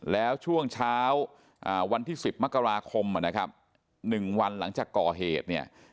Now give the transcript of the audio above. แล้วช่วงเช้าวันที่๑๐มกราคม๑วันหลังจากก่อเหตุ